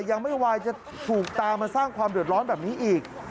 ยังไม่ไหวจะถูกตามมาสร้างความเดือดร้อนแบบนี้อีก